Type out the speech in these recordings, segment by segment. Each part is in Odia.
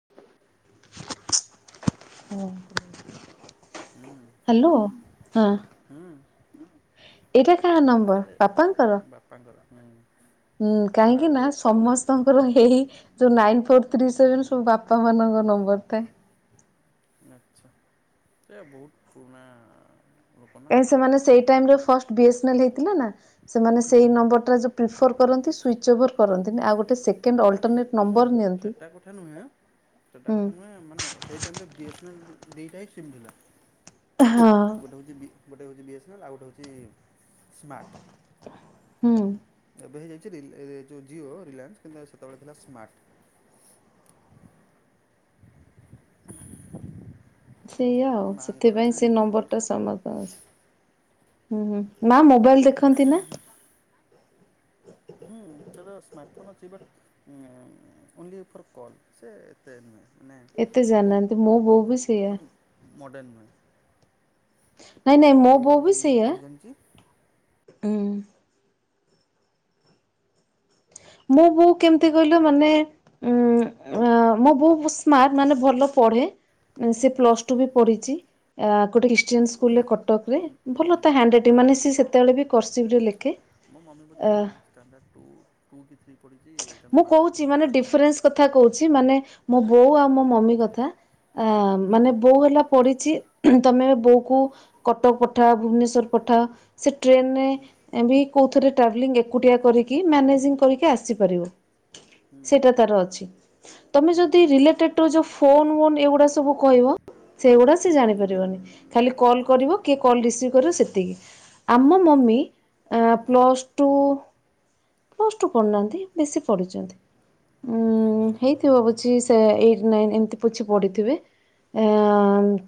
[unintelligible] ହୁଁ ହ୍ୟାଲୋ ହଁ ହୁଁ ଏଟା କାହା ନମ୍ୱ ଆରେ ବାପାଙ୍କର ହୁଁ। ହୁଁ ତାଙ୍କର ଆଉ କାହିଁକି ନା ଗୋଟେ ସମସ ତାଙ୍କର ହେଇ ହେଇ ଯୋଉ ନାଇନ୍ ଫୋର୍ ଥ୍ରୀ ସେଭେନ୍ ସବୁ ବାପା ମାନଙ୍କ ନମ୍ବର ଥାଏ। ଆଛା ସେ ବହୁତ ପୁରୁଣା। ଲୋକ ନା ଏ ସେମାନେ ସେଇ ଟାଇମରେ ଫାଷ୍ଟ ବିଏସନାଲ ହେଇଥିଲା ନା। ସେମାନେ ହୁଁ ସେଇ ନମ୍ବର ଟା ଜଉ ପ୍ରିଫର୍ କରନ୍ତି ସୁଇଚ୍ ଓଭର୍ କରନ୍ତିନି। ଆଉ ଗୋଟେ ସେକେଣ୍ଡ ନା ସେ ଅଲଟରନେଟ୍ ନମ୍ବର ସେ ନିଅନ୍ତି ସେଟା କଥା ନୁହେଁ। ସେଟା ହୁଁ। କଥା ନୁହେଁ। ମାନେ ସେଇ ସେଇ ଟାଇମ ରେ ବିଏସନାଲ ଦୁଇଟା ହିଁ ସିମ୍ ଥିଲା। ହଁ ଗୋଟେ ହେଉଛି ବି ଗୋଟେ ହେଉଛି ବିଏସନାଲ ଆଉ ଗୋଟେ ହେଉଛି ସ୍ମାର୍ଟ। ହୁଁ। ଏବେ ହେଇଯାଇଛି ରିଲ ଜିଓ ରିଲାଏନ୍ସ କିନ୍ତୁ ସେତେବେଳେ ଥିଲା ସ୍ମାର୍ଟ। ସେଇଆ ଆଉ ମାଆଙ୍କର ବି ସେଥିପାଇଁ ସେ ନାଇନ୍ ଫୋନ୍ ନମ୍ବର ନମ୍ବରଟା ସମସ୍ତନ ଅଛି। ହୁଁ ହୁଁ ମା ମୋବାଇଲ ଦେଖନ୍ତି ନା। ହୁଁ ସେ ସ୍ମାର୍ଟଫୋନ୍ ଅଛି। ବଟ୍ ଉଁ ଓନ୍ଲି ଫର୍ କଲ୍। ସେ ଏତେ ନୁହେଁ ମାନେ ଏତେ ସେ ବହୁତ ଜାଣିନାହାନ୍ତି ମୋ କଣ ବୋଉ ବି ସେଇଆ କରି ମଡେନ ନୁହେଁ। ନାଇଁ ଖାଲି ନାଇଁ ମୋ କଲ୍ ବୋଉ ବି ସେଇଆ କରି ଜାଣିଛି। ହୁଁ। ମୋ ବୋଉ କେମିତି କହିଲୁ ମାନେ ଉ ମୋ ବୋଉ ବହୁତ ସ୍ମାର୍ଟ ମାନେ ଭଲ ପଢେ। ସେ ପ୍ଲସ ଟୁ ବି ପଢିଛି। ଗୋଟେ ଜିମ୍ସ ସ୍କୁଲରେ ନା କଟକରେ। ନା ଭଲ ତ ହ୍ୟାଣ୍ଡରାଇଟିଂ ନା ମାନେ ନା ସେ ସେତେବେଳେ ବି କର୍ସିପରେ ଲେଖେ। ମୋ ମମି ବୋଧେ ଅ ଷ୍ଟାଣ୍ଡାର୍ଡ ଟୁ ଟୁ କି ଥ୍ରୀ ପଢିଛି। ମୁଁ କହୁଛି ମାନେ ଡିଫରେନ୍ସ କଥା କହୁଛି ମାନେ ମୋ ବୋଉ ଆଉ ମୋ ମମି କଥା। ଆ ଉଁ ହୁଁ ମାନେ ବୋଉ ହେଲା ପଢିଛି ତମେ ବୋଉକୁ କଟକ ପଠା ଭୁବନେଶ୍ଵର ପଠା। ସେ ହୁଁ ଟ୍ରେନରେ ବି କୋଉ ଥରେ ଟ୍ରାଭେଲିଂ ଏକୁଟିଆ କରିକି ମ୍ୟାନେଜିଂ କରିକି ଆସିପାରିବ। ହୁଁ ସେଟା ତାର ଅଛି। ତମେ ଯଦି ରିଲେଟେଡ ଯୋଉ ଫୋନ ମୋନ୍ ଏଗୁଡା ସବୁ କହିବ। ସେଗୁଡା ସେ ହୁଁ ହୁଁ ଜାଣିପାରିବନି। ଖାଲି କଲ ଆଚ୍ଛା କରିବ କି କଲ୍ ରିସିଭ୍ କରିବ ସେତିକି। ଆମ ମମି ଆ ହୁଁ ପ୍ଲସ୍ ଟୁ ପ୍ଲସ ଟୁ ପଢିନାହାନ୍ତି। ବେଶୀ ଆଚ୍ଛା ପଢିଛନ୍ତି। ହେଇ ଭାବୁଛି ସେ ଏଇଟ୍ ନାଇନ୍ ଏମିତି ପଛେ ପଢିଥିବେ। ଆ ହୁଁ ହୁଁ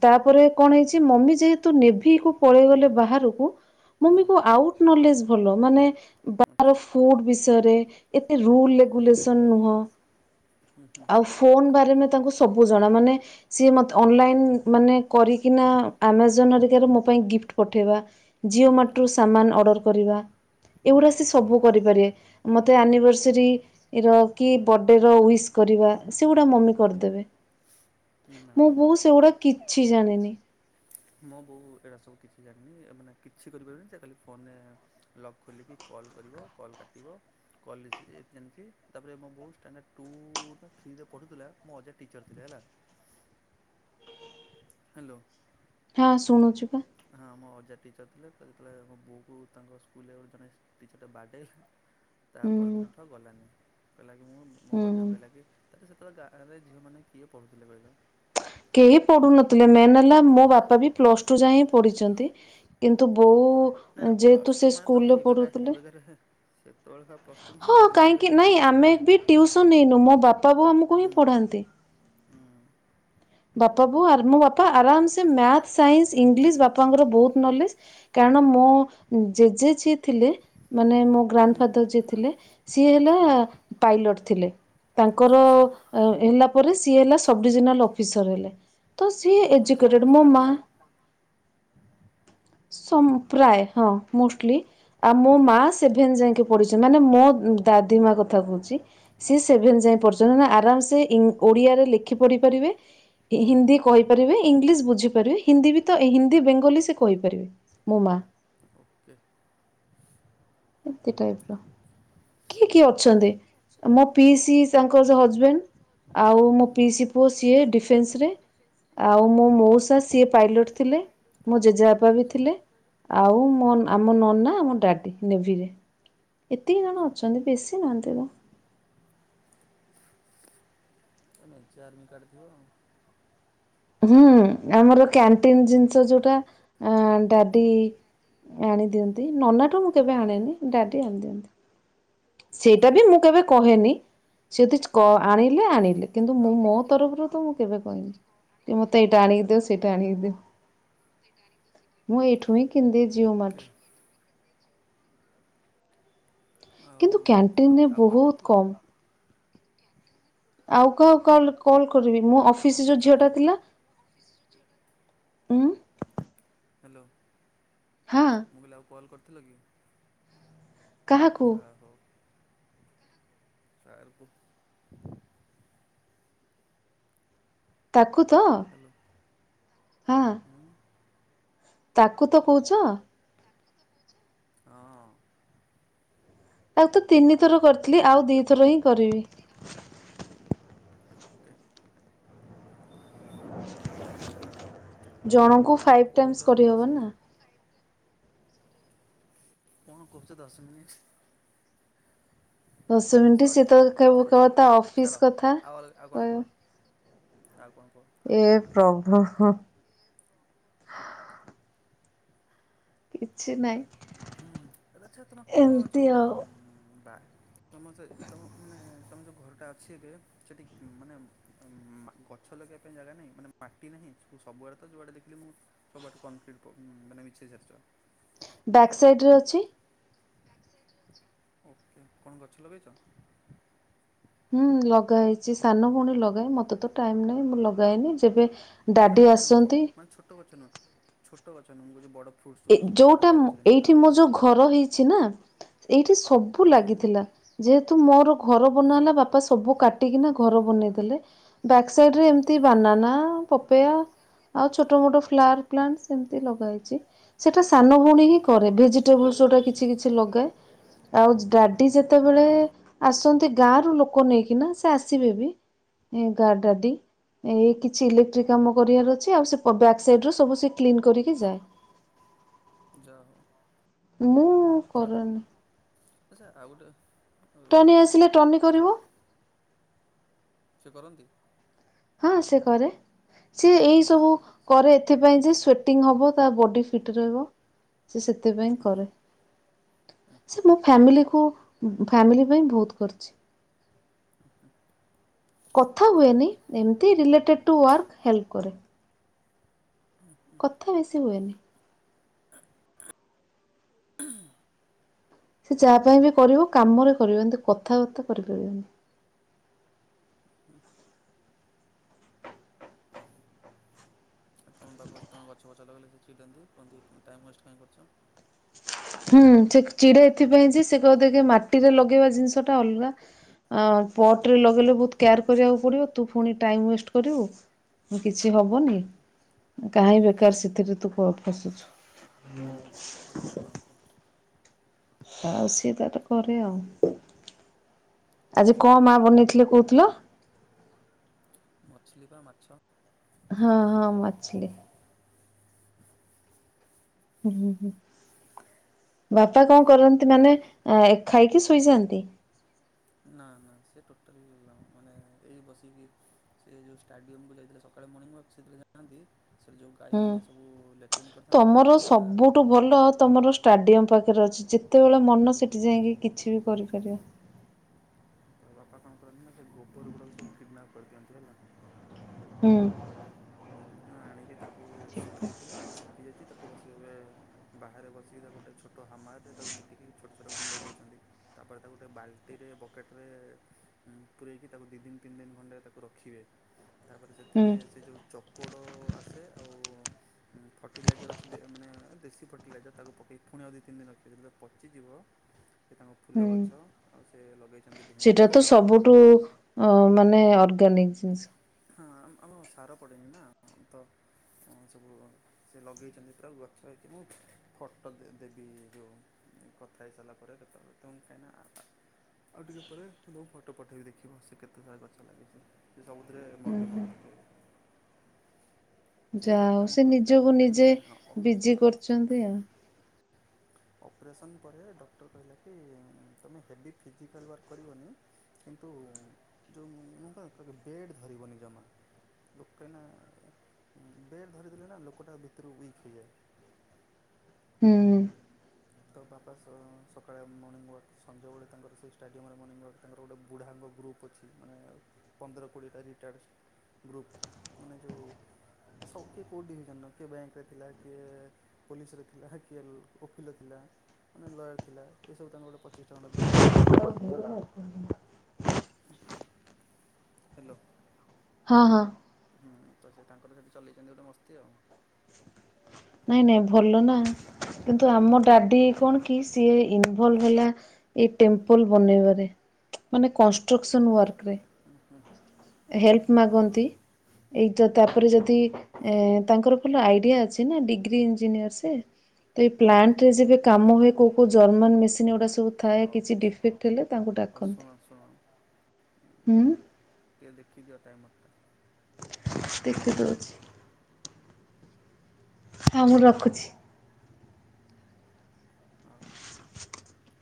ତାପରେ କଣ ହେଇଛି ମମି ଯେହେତୁ ନେଭିକୁ ପଳେଇ ଗଲେ ବାହାରକୁ। ହୁଁ ମମିକୁ ଆଉ ନାଲେଜ୍ ଭଲ। ମାନେ ବାହାର ଆଚ୍ଛା ଫୁଡ ବିଶ୍ ୟରେ ଏତେ ରୁଲ ରେଗୁଲେସନ ନୁହ। ହୁଁ ହୁଁ ଆଉ ଫୋନ ବାରେମେ ତାଙ୍କୁ ସବୁ ଜଣା। ମାନେ ସିଏ ମତେ ଆଚ୍ଛା ଅନଲାଇନ୍ ମାନେ କରିକିନା ଆମାଜନ ହେରିକାରୁ ମୋ ପାଇଁ ଗିପ୍ଟ ପଠେଇବା। ଜିଓମା ସେଠୁ ଆଚ୍ଛା ସାମାନ ଅଡର କରିବା। ଏଗୁଡା ଆଚ୍ଛା ସବୁ କରିପାରିବେ। ମୋତେ ଓକେ ଆନିବର୍ଷରି ଏ ର କି ବଡେରେ ଉଇସି କରିବା ସେଗୁଡା ମମି ହୁଁ ହୁଁ କରିଦେବେ। ନା ନା ମୁଁ ମୋ ବୋଉ ମମି ସେଗୁଡା କିଛି ଜାଣିନି। ମୋ ବୋଉ ଏଇରା ସବୁ କିଛି ଜାଣିନି। ମାନେ କିଛି କରିପାରିବନି। ସେ ଖାଲି ଫୋନରେ ଲକ ଖୋଲିକି କଲ୍ କରିବ କଲ୍ କାଟିବ। କଲେଜ ଜାଣିଛି ତାପରେ ମୋ ବହୁତ ଷ୍ଟାଣ୍ଡାର୍ଡ ଟୁ ନା ଥ୍ରୀରେ ପଢୁଥିଲା। ମୋ ଅଜା ଟିଚର୍ ଥିଲେ ହେଲା। ହ୍ୟାଲୋ। ହଁ ଶୁଣୁଚି ପା। ହଁ ଆମ ଅଜା ଟିଚର୍ ଥିଲେ। ତ ଯେତେବେଳେ ଆମ ବୋଉକୁ ତାଙ୍କ ସ୍କୁଲରେ ଗୋଟେ ଜଣେ ଟିଚରଟା ବାଡେଇଲା। ତା ପର ହୁଁ ଦିନଠୁ ଆଉ ଗଲାନି। କହିଲା କିି ମୁଁ ମୋ ହୁଁ। ଅଜାଙ୍କୁ କହିଲା କି ତାରେ ସେତବେଳେ ଗାଁରେ ଝିଅମାନେ କିଏ ପଢୁଥିଲେ କହିଲ। କେହି ପଢୁନଥିଲେ। ମେନ୍ ହେଲା ମୋ ବାପା ବି ପ୍ଲସ ଟୁ ଯାଏ ହିଁ ପଢିଛନ୍ତି। କିନ୍ତୁ ବୋଉ ନା ନା ପ୍ଲସ୍ ଯେହେତୁ ଟୁ ସେ ମାନେ ତ ଭାଇ ସ୍କୁଲରେ ଏବେକା ପଢୁଥିଲେ। ଏବେକାରେ ସେତେବେଳେ ପ୍ଲସ୍ ଟୁ ମାନେ ହଁ ଏବେ ହେଉଛି ଭାଇ କାହିଁକି ନାଇଁ ଡିଗ୍ରୀ ଆମେ ବି ଟିଉସନ୍ ନେଇନୁ ମୋ ବାପା ବୋଉ ଆମକୁ ହିଁ ହୁଁ ପଢ଼ାନ୍ତି। ହୁଁ ବାପା ବୋଉ ଆରେ ମୋ ବାପା ଆରାମସେ ମ୍ୟାଥ ସାଇନ୍ସ ଇଂଲିଶ ବାପାଙ୍କର ବହୁତ ନଲେଜ। କାରଣ ମୋ ଜେଜେ ଯିଏ ଥିଲେ ମାନେ ମୋ ଗ୍ରାଣ୍ଡ ଫାଦର ଯିଏ ଥିଲେ ସିଏ ହେଲା ପାଇଲଟ ଥିଲେ ତାଙ୍କର ଆଚ୍ଛା ହେଲା ପରେ ସିଏ ହେଲା ସବ୍ ଡିଭିଜନାଲ୍ ଅଫିସର ହେଲେ। ତ ସିଏ ତମର କଣ ଏଜୁକେଟେଡ୍ ସମସ୍ତେ ମୋ ମା ଆର୍ମିରେ? ସମ ପ୍ରାୟ ହଁ ମୋଷ୍ଟଲି। ଆଉ ମୋ ମା ସେଭେନ ଯାଙ୍କେ ପଢିଛ ମାନେ ମୋ ଦାଦି ମା' କଥା କହୁଛି। ସିଏ ଆଚ୍ଛା ସେଭେନ ଯାଏ ପଢିଛନ୍ତି ନା ଆରାମ ସେ ଇଂ ଓଡିଆରେ ଲେଖି ପଢିପାରିବେ। ହୁଁ ହିନ୍ଦୀ କହିପାରିବେ ଇଂଲିଶ ବୁଝିପାରିବେ ହିନ୍ଦୀ ବି ତ ହିନ୍ଦୀ ବେଙ୍ଗୋଲୀ ସେ କହିପାରିବେ। ମୋ ମା' ଓକେ ଏତେ ଟାଇପର। କିଏ କିଏ ଅଛନ୍ତି ମୋ ପିଇସି ତାଙ୍କର ହଜବେଣ୍ଡ ଆଉ ମୋ ହୁଁ ପିଇସି ପୁଅ ସିଏ ଡିଫେନ୍ସରେ। ଆଉ ହୁଁ ମୋ ମଉସା ସିଏ ପାଇଲଟ ଥିଲେ ମୋ ଜେଜେବାପ ବି ଥିଲେ। ଆଉ ହୁଁ ମୋ ହୁଁ ନ ଆମ ନନା ଆମ ଡାଡ଼ି। ନେଭିରେ ଏତିକି ଜଣ ଆଚ୍ଛା ଅଛନ୍ତି ବେଶୀ ନାହାନ୍ତି ତ। ମେଞ୍ଚେ ଆରମୀ କାର୍ଡ଼ ଥିବ ଆଉ। ହୁଁ ଆମର କ୍ୟାଣ୍ଟିନ ଜିନିଷ ଯୋଉଟା ଡାଡି ଆଣି ଦିଅନ୍ତି ନନାଠୁ ମୁଁ କେବେ ଆଣେନି ଡାଡି ଆଣି ଦିଅନ୍ତି। ସେଇଟା ବି ମୁଁ କେବେ କହେନି ସେଯଦି ଆଣିଲେ ଆଣିଲେ କିନ୍ତୁ ଆଉ ମୁଁ ମୋ ତରଫରୁ ତ ମୁଁ କେବେ କହିନି କି ମତେ ଏଇଟା ଆଣିକି ଦିଅ ସେଇଟା ଆଣିକି ଦିଅ। ସେଇଟା ଆଣିକି ସେ ମୁଁ ଏଇଠୁଁ ହିଁ କିଣି ଦେଏ ଯା ଓକେ। ଆଉ କିନ୍ତୁ କଣ କହୁଥିଲ କ୍ୟାଣ୍ଟିନରେ ଆଉ କଲ୍ ବହୁତ କରିଥିଲ? କମ୍। ଆଉ କାହାକୁ କାଲ କଲ କରିବି ମୋ ମୁଁ କଣ ଅଫିସରେ ଯୋଉ ଝିଅଟା ପଚାରୁଛି ଥିଲା। ଉଁ ହ୍ୟାଲୋ। ହଁ। ମୁଁ କହିଲି ଆଉ କଲ୍ କରିଥିଲ ହୁଁ କାହାକୁ ତା ହଉ। ତାରକୁ ତାକୁ ତ? ହ୍ୟାଲୋ। ହଁ। ହୁଁ ତାକୁ ତ କହୁଛ। ହଁ। ତାକୁ ତ ତିନି ଥର କରିଥିଲି, ଆଉ ଦୁଇଥର ହିଁ କରିବି। ଓକେ ଜଣଙ୍କୁ କଣ ଫାଇବ୍ କହୁଛ ଟାଇମିସ ଦଶ କରିହବ ନା ମିନିଟ୍ କଣ କହୁଛ ଦଶ ମିିନଟ୍? ଦଶ ମିନିଟ୍ ସରି ସିଏ ତ କେବ ପଚାରିବା କେବଳ କଥା ତା ନୁହେଁ ଅଫିସ ଛାଡ କଥା ଆଉ ଅଲ ଆଉ କଣ କହିବ। କୁହ ଆଉ କଣ କୁହ? ଆଉ ଏ କଣ କୁହ? ପ୍ରଭୁ ହୁଁ କିଛି ନାହିଁ। ଆଛା ତମ ତମ ଏମିତି ଯୋଉ ଆଉ। ବା ତମ ସେ ତମ ମାନେ ତମ ଯେଉଁ ଘରଟା ଅଛି ଏବେ, ସେଠି ମାନେ ଗଛ ଲଗେଇବା ପାଇଁ ଜାଗା ନାହିଁ, ମାନେ ମାଟି ନାହିଁ ସବୁଆଡେ ତ ଯୋଉଆଡ଼େ ଦେଖିଲେ ମୁଁ ସବୁଆଠୁ କଂକ୍ରିଟ୍ ମାନେ ବିଛେଇ ସାରିଛ। ବ୍ୟାକ୍ ସାଇଡ଼ରେ ଅଛି। ଓକେ, କଣ ଗଛ ଲଗେଇଛ? ହୁଁ ଲଗା ହେଇଛି, ସାନ ଭଉଣୀ ଲଗାଏ ମତେ ତ ଟାଇମ ନାହିଁ, ମୁଁ ଲଗାଏନି, ଯେବେ ଡାଡ଼ି ଆସିଚନ୍ତି। ଟ ଗଛ ନୁହଁ ଛୋଟ ଗଛ ନୁହଁ ମୁଁ କହୁଛି ବଡ଼ ଫ୍ରୁଟ୍ସ ଏ ଗଛ ମାନେ ଯୋଉଟା, ବଡ଼ ଗଛ ଯେମିତି ଏଇଠି ଆମ୍ବ ମୋ ଯୋଉ ଘର ହେଇଛି ନା ଏଇଠି ସବୁ ହୁଁ ଲାଗିଥିଲା, ଯେହେତୁ ମୋର ଘର ବନା ହୁଁ ହେଲା। ବାପା ବାପା ସବୁ କାଟିକିନା ଘର ବନେଇଦେଲେ। ବ୍ୟାକ୍ ସାଇଡ ରେ ଏମିତି ବାନାନା ପପେୟା ଆଉ ଛୋଟ ମୋଟ ଫ୍ଲାୱାର ପ୍ଲାଣ୍ଟ ସେମିତି ଲଗା ହେଇଛି। ସେଇଟା ସାନ ଭଉଣୀ ହିଁ କରେ, ଭେଜିଟେବଲସ ଯୋଉଟା କିଛି କିଛି ଲଗାଏ। ଆଉ ଡାଡି ଯେତେବେଳେ ଆସନ୍ତି ଗାଁ ରୁ ଲୋକ ନେଇକିନା, ସେ ଆସିବେ ବି ଗାଁ ଡାଡି। ଏଇ କିଛି ଇଲେକ୍ଟ୍ରି କାମ କରିବାର ଅଛି ଆଉ ବ୍ୟାକ୍ ସାଇଡୁ ସବୁ ସେ କ୍ଲିନ୍‌ କରିକି ହାଲୋ ଯାଏ। ଯା ହଉ ମୁଁ କରୁନି। ଆଛା ଆଉ ଗୋଟେ ଟର୍ନି ଆସିଲେ ଟର୍ନି କରିବ। ସେ କରନ୍ତି? ହଁ ସେ କରେ, ସିଏ ଆଉ ତମ ଏଇ ସବୁ ପାଖକୁ କରେ ଏଥିପାଇଁ ଯେ ସ୍ଵେଟିଂ ହବ ତା ବଡି ଫିଟ ରହିବ। ସେ ସେଥିପାଇଁ କରେ। ସେ ମୋ ଫ୍ୟାମିଲିକୁ ଫ୍ୟାମିଲି ପାଇଁ ବହୁତ କରିଛି। କଥା ଯାହା ହୁଏନି ହଉ ଏମିତି ରିଲେଟେଡ଼ ଟୁ ୱାର୍କ ହେଲ୍ପ୍ କରେ। କଥା ବେଶୀ ହୁଏନି। ସେ ଯାହା ପାଇଁ ବି କରିବ କାମରେ କରିବ। ଏମିତି କଥାବାର୍ତ୍ତା କରିପାରିବେନି। ତମ ପାଖକୁ ତୁମେ ଗଛ ଫଛ ଲଗେଇ ସେ ଚିଡନ୍ତି, କୁହନ୍ତି ଟାଇମ୍ ୱେଷ୍ଟ କାହିଁ କରୁଛ? ହୁଁ, ସେ ଚିଡେ ଏଥିପାଇଁ ଯେ ସେ କହିବ କି ମାଟିରେ ଲଗେଇବା ଜିନିଷ ଟା ଅଲଗା। ଆ ପଟରେ ଲଗେଇଲେ ବହୁତ କେୟାର କରିବାକୁ ପଡିବ ତୁ ପୁଣି ଟାଇମ ୱେଷ୍ଟ କରିବୁ। ମୁଁ କିଛି ହବନି? କାହିଁ ବେକାର ସେଥିରେ ତୁ ପସୁଛୁ? [unintelligible] ଅଲଗା କଣ କରୁ? ଆଉ ସିଏ ତାର କରେ ଆଉ। ଆଜି ଆଚ୍ଛା କଣ ମା ବନେଇଥିଲେ କହୁଥିଲ? ମଛଲି ପା ମାଛ। ହଁ ହଁ ମଛଲି। ହୁଁ ହୁଁ ହୁଁ ବାପା କଣ କରନ୍ତି ମାନେ ଖାଇକି ଶୋଇଯାଆନ୍ତି। ନା ନା ସେ ଟୋଟାଲି, ମାନେ ଏଇ ବସିକି ସେ ଯେଉଁ ଷ୍ଟାଡିୟମକୁ ଯାଇଥିଲେ ସକାଳେ ମର୍ଣ୍ଣିଂ ୱକ୍, ସେଥିରେ ଯାଆନ୍ତି। ସେ ଯେଉଁ ହୁଁ ଗାଈମାନେ ସବୁ ଲଇଲେଟ୍ରନିକ କରିଥାନ୍ତି ତାଙ୍କୁ ସବୁ ପୁରା ତୁମର ଷ୍ଟାଡିୟମ ପାଖରେ ଅଛି। ଯେତେବେଳ ମନ ସେଠି ଯାଇକି କିଛି ବି କରିପାରିବ। ତ ବାପା କଣ କରନ୍ତି ନା ସେ ଗୋବର ଗୁଡ଼ାକ ସବୁ କିଡ଼ନାପ୍ କରିଦିଅନ୍ତି ହେଲା। ହୁଁ। ଆଣିକି ତାକୁ ଶୁଖେଇଥିଲେ ସେ ଶୁଖିଯାଇଛି ତାକୁ ବସିକ ବାହାରେ ବସିକି ତାକୁ ଗୋଟେ ଛୋଟ କହ ମାୟତରେ ତାକୁ ପିଟିକି ଛୋଟ ଛୋଟ ଗୁଣ୍ଡ କରୁଛନ୍ତି। ତାପରେ ତାକୁ ଗୋଟେ ବାଲ୍ଟିରେ ବକେଟରେ ପୂରୋଇକି ତାକୁ ଦୁଇ ଦିନ ତିନି ଦିନ ଖଣ୍ଡେ ତାକୁ ରଖିବେ। ହଁ। ତାପରେ ସେଥିରେ ସେ ଯେଉଁ ଚକଡ଼ ଆସେ ଆଉ। ଫର୍ଟିଲାଇଜର ଅଛି ମାନେ ଦେଶୀ ଫର୍ଟିଲାଇଜର ତାକୁ ପକାଇ ପୁଣି ଆ ଦୁଇ ତିନି ଦିନ ରଖିଦେଲେ ପାଚିଯିବ। ହଁ। ସେ ତାଙ୍କ ଫୁଲ ଗଛ ଆଉ ସେ ଲଗାଇଛନ୍ତି ଭେଣ୍ଡି। ଓ ମାନେ ଅର୍ଗାନିକ୍ ଜିନିଷ। ହଁ ଆମ ସାର ପଡ଼େନି ନା ତ ସବୁ ସେ ଲଗେଇଛନ୍ତି ପୁରା ଗଛ ଏଇଥି ମୁଁ ଫଟୋ ଦେବୀରୁ କଥା ହେଇ ସାରିଲା ପରେ କେତେବେଳେ ତ କାଇନା ଆଉ ଟିକେ ପରେ ଫଟୋ ପଠେଇବି ଦେଖିବ ସେ କେତେ ସାରା ଗଛ ଲାଗେଛି ସେ ସବୁ। ସେଥିରେ ମଗେ ମଗେ ପକେଇବେ। ଯା ସେଇ ବାଡ଼ି ହଉ କାମ ସେ କରନ୍ତି ନିଜକୁ ନିଜେ କାହିଁକିନା ବିଜି କରୁଛନ୍ତି ଆଉ। ଅପରେସନ୍ ପରେ ଡକ୍ଟର କହିଲା କି ତୁମେ ହେଭି ଫିଜିକାଲ୍ ୱାର୍କ କରିବନି। କିନ୍ତୁ ଯେଉଁ ମୁ ବେଡ଼୍ ଧରିବନି ଜମା। ଲୋକ କାହିଁ ନା ଉଁ ବେଡ଼ ଧରିଦେଲେ ନା ଲୋକଟା ଭିତରୁ ୱିକ୍ ହେଇଯାଏ। ହୁଁ। ତ ବାପା ସ-ସକାଳେ ମୋର୍ନିଂୱର୍କ ସଞ୍ଜବେଳେ ତାଙ୍କର ସେଇ ଷ୍ଟାଡିୟମରେ ମଣିଂୱାର୍କ ତାଙ୍କର ଗୋଟେ ବୁଢ଼ା ଗୁପ୍ ଅଛି ମାନେ ଉ ପନ୍ଦର କୋଡ଼ିଏଟା ରିଟାୟାର୍ଡ଼ ଗ୍ରୁପ୍ ମାନେ ଯେଉ ସବୁ କିଏ କୋଉ ଡିଭିଜନ କିଏ ବ୍ୟାଙ୍କରେ ଥିଲା କିଏ ପୋଲିସରେ ଥିଲା କିଏ ଓକିଲ। ଥିଲା ମାନେ ଲୟର୍ ଥିଲା ଏସବୁ ତାଙ୍କର ଗୋଟେ ପଚିଶଟଙ୍କା ଖଣ୍ଡେ ଗ୍ରୁପ୍ ଅଛନ୍ତି ହେଲା। ହ୍ୟାଲୋ। ହଁ ହଁ। ହୁଁ ତ ସେ ତାଙ୍କର ସେଠି ଚଲେଇଛନ୍ତି ଗୋଟେ ମସ୍ତି ଆଉ। ନାଇଁ ନାଇଁ ଭଲ ନା କିନ୍ତୁ ଆମ ଆଉ ଡାଡି କଣ କି ସିଏ ଇନଭଲଭ ହେଲା ଏ ଟେମ୍ପଲ ବନେଇବାରେ ମାନେ କନଷ୍ଟ୍ରକ୍ସନ ୱାର୍କରେ ହେଲ୍ପ ମାଗନ୍ତି। ଏଇ ତାପରେ ଯଦି ଏ ତାଙ୍କର ଭଲ ଆଇଡିଆ ଅଛି। ନା ଡିଗ୍ରୀ ଇଞ୍ଜିନିୟର ସେ। ତ ଏଇ ପ୍ଲାଣ୍ଟରେ ଯେବେ କାମ ଆଚ୍ଛା ହୁଏ କେଉଁ କେଉଁ ଜର୍ମାନ୍ ମେସିନ୍ ଏୁଡ଼ା ସବୁ ଥାଏ ହଉ କିଛି ଡିଫେକ୍ଟ ହେଲେ ତାଙ୍କୁ ହଉ ଶୁଣ ଡାକନ୍ତି। ଶୁଣ ହୁଁ ଟିକେ ଦେଖିଦିଅ ଟାଇମରଟା। ଦେଖି ଟାଇମରଟା ଦଉଛି ଦେଖିଦିଅ। ହଁ ମୁଁ ରଖୁଛି। ହଁ। [inaudible]